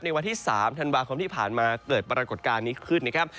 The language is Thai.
วันที่๓ธันวาคมที่ผ่านมาเกิดปรากฏการณ์นี้ขึ้นนะครับ